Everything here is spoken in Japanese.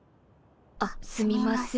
あっすみません。